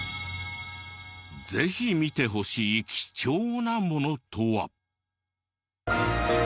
ぜひ見てほしい貴重なものとは？